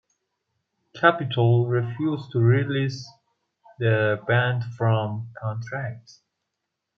Capitol refused to release the band from contract.